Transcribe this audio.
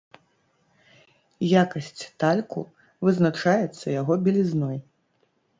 Якасць тальку вызначаецца яго белізной.